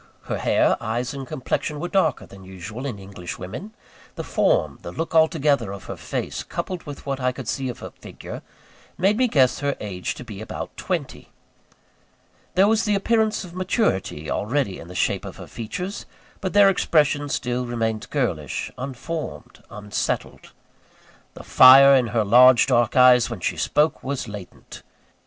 Her hair, eyes, and complexion were darker than usual in English women. The form, the look altogether, of her face, coupled with what I could see of her figure, made me guess her age to be about twenty. There was the appearance of maturity already in the shape of her features; but their expression still remained girlish, unformed, unsettled. The fire in her large dark eyes, when she spoke, was latent.